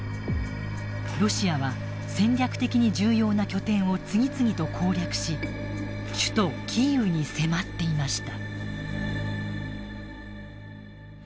ロシアは戦略的に重要な拠点を次々と攻略し首都キーウに迫っていました。